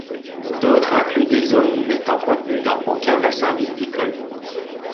D'autres incluent des zones n'étant contenues dans aucun bassin viticole.